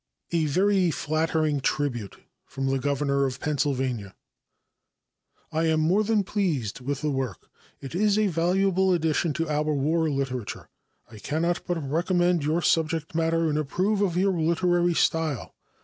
A Very Flattering Tribute from the Governor of Pennsylvania. I am more than pleased with the work. It is a valuable addition to our war literature. I cannot but recommend your subject matter and approve of your literary style.